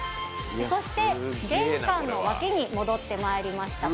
そして玄関の脇に戻ってまいりました